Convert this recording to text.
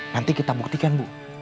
nanti kita buktikan bu